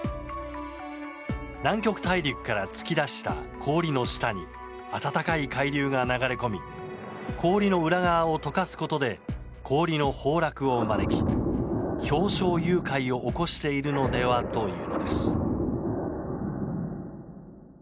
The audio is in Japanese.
南極大陸から突き出した氷の下に温かい海流が流れ込み氷の裏側を解かすことで氷の崩落を招き氷床融解を起こしているのではというのです。